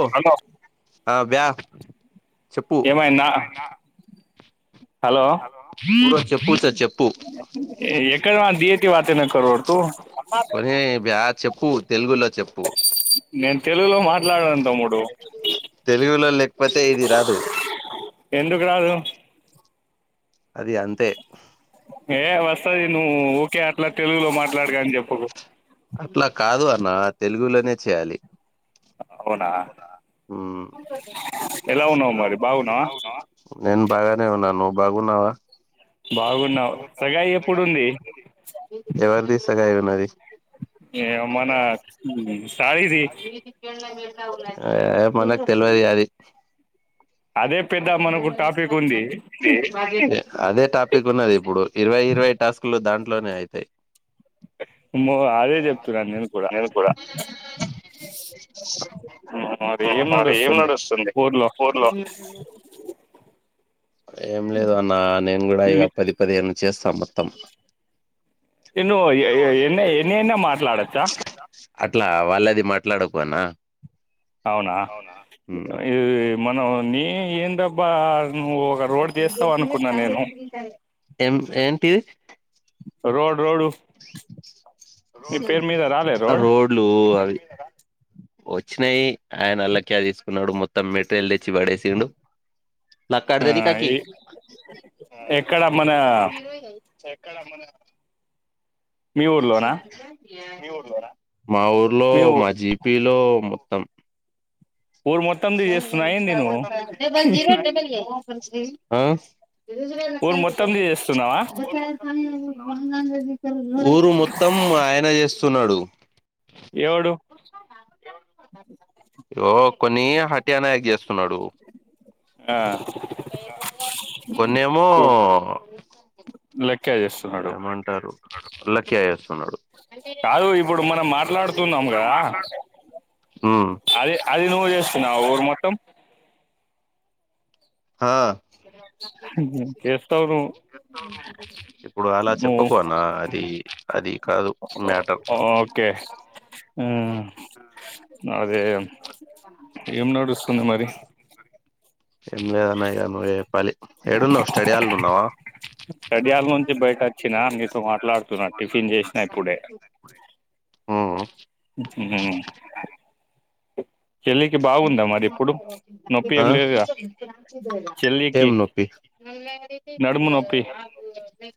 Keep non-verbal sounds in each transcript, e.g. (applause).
ఓ hello ఆ వ్యా చెప్పు ఏమైందా హలో ఊరో చెప్పు సార్ చెప్పు కొనే బ్యా చెప్పు తెలుగులో చెప్పు నేను తెలుగులో మాట్లాడన్ తెలుగులో లేకపోతే ఇది రాదు ఎందుకు రాదు అది అంతే ఏ వస్తది నువ్వు ఊకె అట్లా తెలుగులో మాట్లాడగా అని చెప్పకు అట్లా కాదు అన్న తెలుగులోనే చేయాలి అవునా ఎలా ఉన్నావ్ మరి బాగున్నావా నేను బాగనే ఉన్నాన్ నువ్వు బాగున్నావా బాగున్నావు సగాయి ఎప్పుడుంది ఎవరిది సగాయు ఏమో నా ఉ ఎ మనక్ తెల్వదిగా అది అదే పెద్ద మనకు టాపిక్ ఉంది అదే టాప్ పిక్ ఉన్నది ఇప్పుడు ఇరవై ఇరవై టాస్క్ లు దాంట్లోనే అయితయ్ మో అదే చెప్తున్నాను కూడా నేను గుడా మరి ఏం ఆడేం నడుస్తుంది ఊర్లో ఏం లేదు అన్నా నేను గుడా ఇగ పది పదిహేను చేస్ స్త మొత్తం ఇను ఎ ఎ ఎన్న ఎన్నేన్న మాట్లాడచ్చా అట్లా వాళ్ళది మాట్లాడకు అన్న అవునా మ్ ఇ మనం ని ఏందప్ బా నువ్వు ఒక రోడ్ చేస్తవు అనుకున్నా నేను ఏం ఏంటిది రోడ్ రోడు రోడ్లు అవి వొచ్చినయి ఆయన అల్లక్క్యా తీసుకున్నాడు మొత్తం మెటీరియల్ తెచ్చి పడేసిండు ఆ నక్కడ్దది కాకి ఎక్కడ మన ఎక్కడ మన మీ ఊర్లోనా మా ఊరులో మీ మాజీ పిలో మొత్తం ఊరు మొత్తంది చేస్తున్నా ఏంది నువ్వు డబల్ జీరో డబల్ ఎయిట్ ఆ ఊరు మొత్తంది చేస్తున్నావా ఊరు మొత్తం ఆయన చేస్తున్నాడు ఎవడు యో కొన్ని హత్యనాయక్ చేస్తున్నాడు ఆ మొన్నేమో లెక్క చేస్తున్నాడు ఎమాంటారు (unintelligible) కాదు ఇపుడ్ మనం మాట్లాడుతున్నాం గా ఉమ్, అది అది నువ్ చేస్తున్నావా ఊరు మొత్తం ఆ చేస్తావు నువ్వు ఇప్పుడు అలా నువ్వు చెప్పుకు అన్నా అది అది కాదు మ్యాటర్ హ్మ్ అదే ఏం నడుస్తూ ఏం లేదు అన్నయ్య మరి పలి ఏడున్నవ్ స్టడీ ఆల్ ఉన్నావా (inaudible) చడియాల నుంచి బయట వచ్చినా నీతో మాట్లాడుతున్నా టిఫిన్ చేసినా ఇప్పుడే హ్మ్ హ్మ్ నొప్పి ఆ ఏం లేదుగా చెల్లికి ఎం నొప్పి నడుము నొప్పి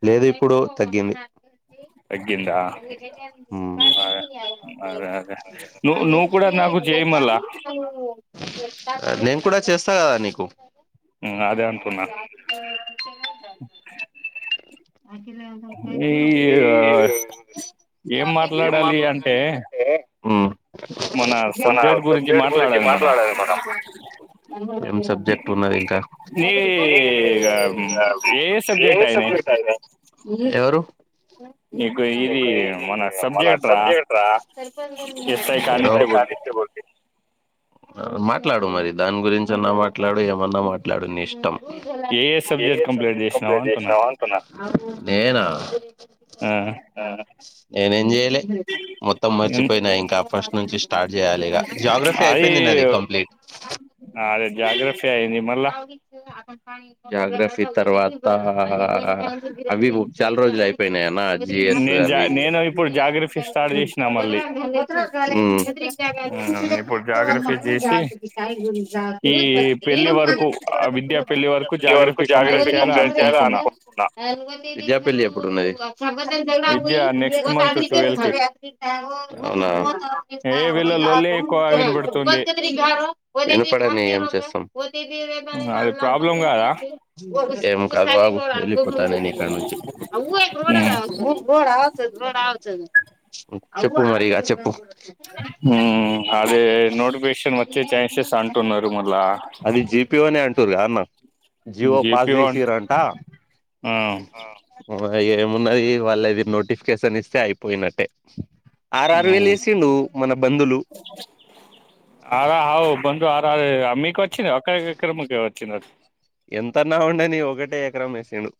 లేదు ఎప్పుడో తగ్గింది తగ్గిందా హ్మ్ అదే అదే అదే నువ్వు నువ్వు కూడా నాకు చేయి మళ్ళా నేన్ కూడా చేస్తా గద నీకు అదే అంటున్నా ఈ (inaudible) ఏం మాట్లాడాలి అంటే మన సబ్జెక్ట్ గురించి మాట్లాడాలి మనం ఏం సబ్జెక్ట్ ఉన్నది ఇంకా నీ ఏ సబ్జెక్ట్ అయినాయి ఎవరు మీ ఇది మన సబ్జెక్ట్ రా ఎస్ఐ కానిస్టేబుల్ది కానిస్తే పోద్ది అ మాట్లాడు మరి దాని గురించన్న మాట్ మాట్లాడు ఏమన్నా మాట్లాడు నీ ఇష్టం ఏ ఏ సబ్జెక్ట్ కంప్లీట్ చేసినావు అంటున్నా నేనా హ్మ్ నేనేంజేయ్ లె మొత్తం మర్చిపోయినా ఇంకా ఫస్ట్ నుంచి స్టార్ట్ చేయాలి ఇగ జాగ్రఫీ అయిపోయింది నాది కంప్లీట్ ఆ అదే జాగ్రఫి అయింది మల్ల జాగ్రఫీ తర్వాతా అవి చాల రోజులయ్ పోయిన అన్న జిఎస్ నేను జా అవి నేను ఇప్పుడు జాగ్రఫీ స్టార్ట్ చేసిన మళ్ళీ హ్మ్ ఆ ఇప్పుడు జాగ్రఫీ చేసి ఈ పెళ్లి వరకు (unintelligible) ఆ విద్యా పెళ్లి వరకు జాగ్రఫీ కంప్లీట్ చేయాలి అనుకుంటున్నా (unintelligible) పెళ్ళి ఎప్పుడున్నది విద్య నెక్స్ట్ మంత్ ట్వెల్వ్ కి అవునా ఏ వీళ్ళ లొల్లే ఎక్కువ వినబడుతుంది ఇనపడనీ ఏంచేస్తాం అది ప్రాబ్లం కాదా (unintelligible) ఏం కవ్వావ్ ఏళ్ళిపోతా నేన్ ఇక్కడ్ నుంచి చెప్పు మరిగా చెప్పు హ్మ్ అదే నోటిఫికేషన్ వచ్చే ఛాన్సెస్ అంటున్నర్ మల్ల విపిఓనేఅన్ అంటునూరు అన్న జి ఓ పాస్ జేపీఓ జేసిరంట ఆ ఆ అ వ ఏం ఉన్నది వాళ్ళది నోటిఫికేషన్ ఇస్తే అయిపోయినట్టే ఆర్ఆర్ వేలు వేసిండు మన బంధులు అమ్మికి వచ్చినారు (unintelligible) ఎంతన్నా ఉండని ఒకటే ఎకరం వేసిండు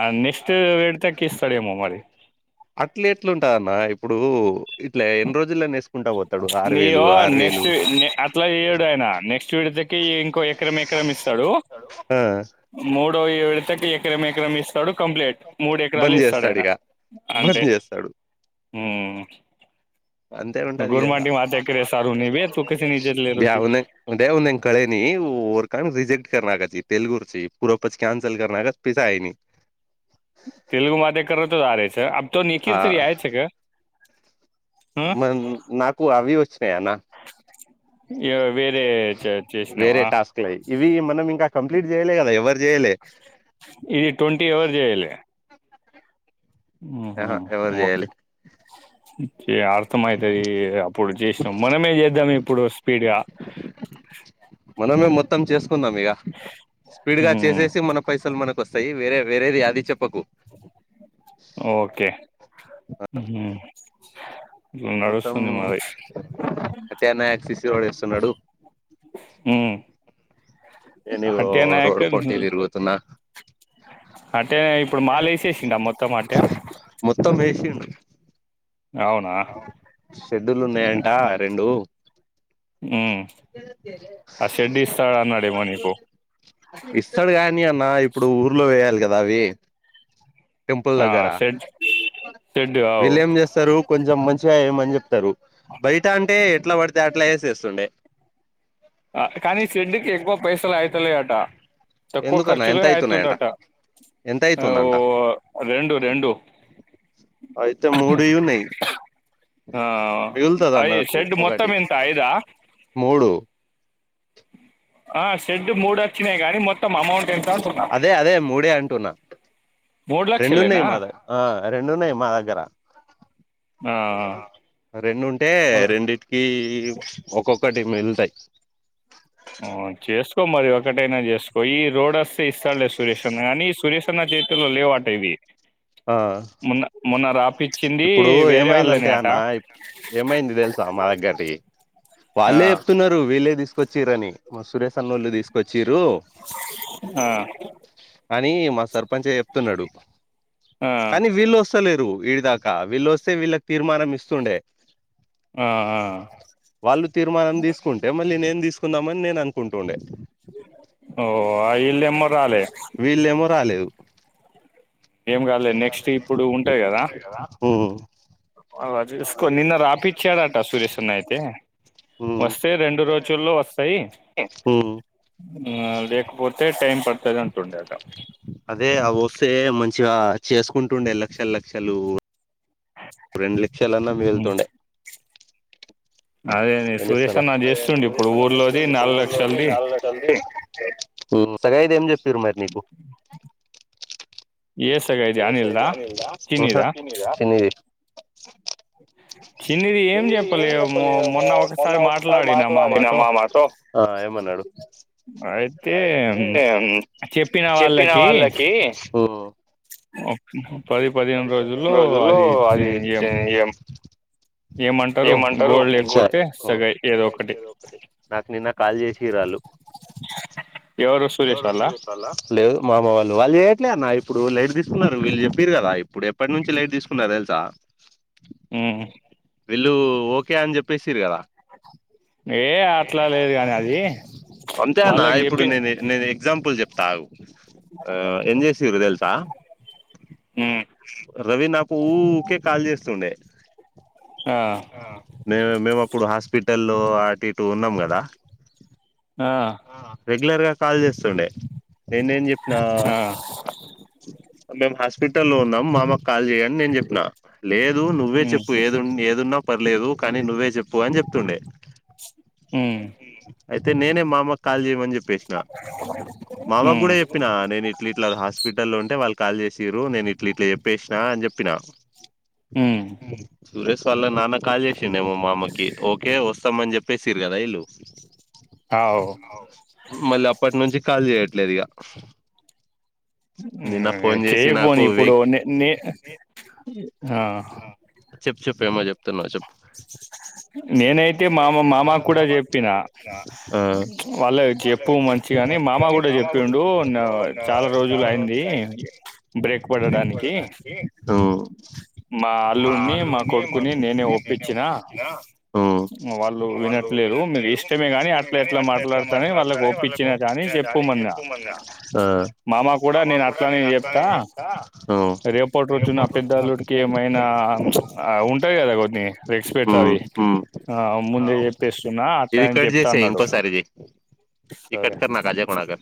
ఆ నెక్స్ట్ విడ్తాకిస్తాడేమో మరి అట్లే ఎట్లుంటది అన్న ఇప్పుడు ఇట్ల ఎన్ని రోజుల్లని వేసుకుంటా పోతాడు ఆరు వేలు ఇగో ఆరు వేలు నెక్స్ట్ నెక్ అట్లా ఇయ్యాడు అయనా నెక్స్ట్ విడతకి ఇంకో ఎకరం ఎకరం ఇస్తాడు స్తాడు ఆ ఇగో ఈ విడతకి ఎకరం ఎకరం ఇస్ ఇస్తాడు కంప్లీట్ మూడు ఎకరాలు బంద్ చేస్తాడు ఇస్తాడాయినా ఇగ అంతే బంద్ చేస్తాడు ఉమ్ అంతే ఉంటది ఇగ (unintelligible) ఉదయం (unintelligible) కానీ రిజెక్ట్ (unintelligible) తెలుగుచూ (unintelligible) తెలుగు బాతే (unintelligible) అబ్బతే (unintelligible) మన నాకు అవ్వి వచ్చినాయి అన్న వేరే చే- వేరే చేసినావా టాస్క్ లయి ఇవి మనం ఇంకా కంప్లీట్ చేయలే కదా ఎవర్ చేయలే ఇవి ట్వంటీ ఎవర్ జేయలే ఆహా ఎవరు జేయలే ఇగ అస్తమాయితది అప్పుడు చేసినాం మనమే చేద్దాం ఇప్పుడు స్పీడ్ గా మనమే మొత్తం చేసుకుందాం ఇగ స్పీడ్ గా హ్మ్ చేసేసి మన పైసలు మనకు వస్తాయి వేరే వేరేది అది చె ఓకే ఉమ్ మొత్తం సత్యానాయ ఏకాశశివాడు ఇస్తునాడు ఉమ్ నేను అంటె నాయక రోడ్ కన్ఫ్యూ పొంటి తిరుగుతున్నా అంటే ఇప్పుడు మాల వేసేసిండా మొత్తం వాడికే సేద్దులు ఉన్నాయంట రెండు ఉమ్ ఆ షెడ్ ఇస్తాడు అన్నాడేమో నీకు ఇస్తాడు గాని అన్న ఇప్పుడు ఊర్లో వేయాలి కదా అవి టెంపుల్ ఆ దగర షెడ్ షెడ్ అవు వీళ్లు ఏంచేస్తరూ మంచిగా ఏమామని చెప్తారు బయట అంటే ఎట్లా పడితే అట్లా వేసేస్తుండే కానీ షెడ్ కి ఎక్కువ పైసలు అయితలేదట తక్కువ ఎందుకన్నా ఖర్చులే ఎంత అయితున్నాయంట అయితుందట ఎంత అవో అయితుందంట రెండు రెండు అయితే మూడుయి ఉన్నాయి ఆ! మిగులుతది అది అన్నట్టు షెడ్ మొత్తం ఒకటి ఎంత ఐదా మూడు ఆ షెడ్ మూడు వచ్చిన గానీ మొత్ త్తం అమౌంట్ ఎంత అంటున్నా అదే అదే మూడే అంటున్నా మూడు రెండున్నాయి లక్షలేనా మాద ఆ రెండున్నాయి మా దగ్గర ఆ రెండుంటే ఆ, రెండిటికి ఒక్కొక్కటి మిగులుతయి చేసుకో మరి ఒకటైనా చేసుకో ఈ లోడ్ వస్తే ఇస్తాడులేదో సురేష్ అన్న గాని సురేష్ అన్న చేతిల్లో లేవటివి ఆ ఇప్పుడు వేరే వాళ్ళని ఏమైందంటే అట అన్న ఏమైంది తెలుసా దగ్గది ఆ, వాళ్ళే చెప్తున్నారు వీళ్ళే తీసుకొచ్చిరని మా సురేష్ అన్న వాళ్ళు తీసుకొచ్చి ఆ అని మా సర్పంచే చెప్తున్నాడు ఆ, కానీ ఆ, వీళ్ళు వస్ లేరు ఇదాకా వీళ్ళ వస్తే వీళ్ళకి తీర్మానం ఇస్తుండే ఆ. వాళ్ళు తీర్మానం తీసుకుంటే మళ్ళీ నేను తీసుకుందామని నేను అనుకుంటుండే ఓ ఆ వీళ్ళు ఏమో రాలె వీళ్ళేమో రాలేదు ఏం కాలే నెక్స్ట్ ఇప్పుడు ఉంటాయి కదా ఉమ్ అ తీసుకొని నిన్న రాపించాడు అంట సురేష్ అన్న అయితే వస్తే రెండు రోజుల్లో వస్తాయి ఉ మ్ హ్మ్ ఇంగ లేకపోతే టైం పడ్తాది అంటుండే అంట అదే అవి వస్తే మంచిగా చేసుకుంటుండే లక్షల్ లక్షలు రెండు లక్షాలన్నా మిగుళ్తుండే అదే ఎం సురేష్ చేస్తారు అన్న చేస్తుండు ఇప్పుడు ఊర్లోది నాలుగు లక్షలది ఇగ హ్మ్ సగయిది ఏం చెప్పిరు మరి నీకు ఏసగా ఇది అనిల్దా చిన్నిదా కిందిది చిన్నిది ఇంగ ఏం చెప్పలే చెప్పలేదు మో మొన్న ఒకసారి మాట్లాడిన మామ తో ఏమన్నాడు అయితే చెప్పిన వాళ్ళకి పది పదిహేను రోజుల్లో అది ఏం జె యం ఏమంటారు గోల్డ్ లేకపోతే సగాయి ఏదో ఒకటి నాకు నిన్న కాల్ చేసిరాళ్ళు ఎవరు సురేష్ వాళ్ళ లేదు మామ వాళ్ళు వాళ్ళు చేయట్లే అన్న ఇప్పుడు లైట్ తీసుకున్నారు వీళ్ళు చెప్పిరు కదా ఇప్పుడు ఎప్పటి నుంచి లైట్ తీసుకున్నారు తెలుసా ఉ వీళ్ళు ఒకే అని చెప్పేసిరు కదా ఏ అట్లా లేదు కాని అది అంతే అన్న వాళ్ళకి ఇప్పుడు చెప్పి నేను ఈ ఎక్సపుల్ చెప్తా అగు ఎం చేసిర్రు తెల్సా రవి నాకు ఊకే కాల్ చేస్తుండే ఆ ఆ మేమ్ మేముప్పుడు హాస్పిటల్ లో అటు ఇటు ఉన్నం కదా ఆ రెగ్యులర్గా కాల్ చేస్తుండే ఎన్నేన్ చేపినవ్ ఆ మేము హాస్పిటల్లో లో ఉన్నాం మామకు కాల్ చేయి అని నేన్ చెప్పిన లేదు నువ్వే చెప్పు ఏద్ ఏదున్నా పర్లేదు కానీ నువ్వే చెప్పు అని చెప్తుండే ఉమ్ అయితే నేనే మామక్ కాల్ చేయమని చెప్ పేసిన ఉమ్ మామకూడా చెప్పిన నేను ఇట్లా ఇట్లా హాస్పిటల్ల ఉంటే వాళ్ కాల్ చేసిరు నేను ఇట్లా ఇట్లా చెప్పేసినా అని చెప్పినా ఊ సురేష్ వాళ్ళ నాన్న కాల్ చేసిండేమో మామకి ఓకే వస్తామని చెప్పేసిరు కదా ఇల్ళు అవ్ మళ్ళీ అప్పటి నుంచి కాల్ చేయట్లేదు ఇగ హ్మ్ చేయకపోని వే ఇప్పుడు నే నే ఆ చెప్ చెప్ ఏమో చెప్తున్నావు చెప్పు నేనైతే మామ మామ కూడా చెప్ చెప్పిన ఆ ప్చ్ వాళ్ళ చెప్పు మంచిగాని మామ కూడా చెప్పిండు నా ప్చ్ చాలా రోజులు అయింది బ్రేక్ పడడానికి ఊ మా అల్లుడిని మా కొడుకుని నేనే ఒప్పించిన ఊ ఇంగ వాళ్ళు వినట్లేదు మీకు ఇష్టమే ని అట్లా ఎట్లా మాట్లాడతానే వాళ్ళకి ఒప్పించినా కాని చెప్పమన ఆ మామ కూడా నేను అట్లనే చెప్తా ఊ రేపటిరోజున నా పెద్దలుడికి ఏమైనా ఆ హ్మచ్ ఉంటాయి కదా కొన్ని రెస్పెక్ట్ ఊ అవి ఊ ఆ ముందే చెప్పేస్తున్న ఇది కట్ చేస ఇంకోసారిది ఇది సరే కట్కనా కాసేపు ఉన్నాక